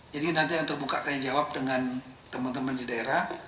jadi nanti yang terbuka tanya jawab dengan teman teman di daerah